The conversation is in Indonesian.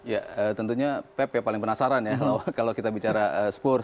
ya tentunya pep ya paling penasaran ya kalau kita bicara spur